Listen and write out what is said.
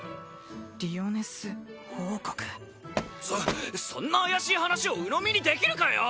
リオネス王国そそんな怪しい話をうのみにできるかよ